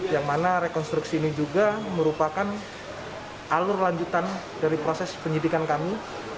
yang mana rekonstruksi ini juga merupakan alur lanjutan dari proses penyidikan kami